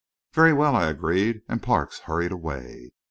"Very well," I agreed, and Parks hurried away.